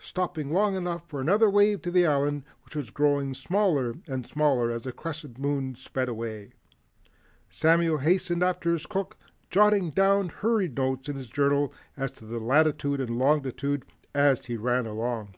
Stopping long enough for another wave to the Island, which was growing smaller and smaller as the Crescent Moon sped away, Samuel hastened after his cook, jotting down hurried notes in his journal as to latitude and longitude as he ran along.